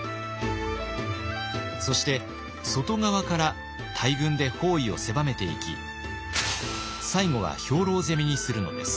そして外側から大軍で包囲を狭めていき最後は兵糧攻めにするのです。